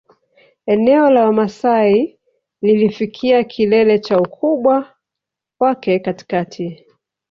Eneo la Wamasai lilifikia kilele cha ukubwa wake katikati